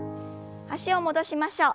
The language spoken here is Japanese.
脚を戻しましょう。